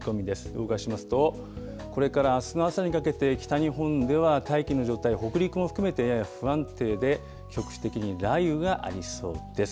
動かしますと、これからあすの朝にかけて北日本では大気の状態、北陸も含めて不安定で、局地的に雷雨がありそうです。